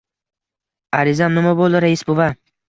Arizam nima boʻldi, rais buva?